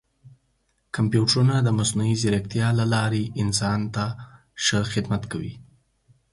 کمپیوټرونه د مصنوعي ځیرکتیا له لارې انسان ته ښه خدمت کوي.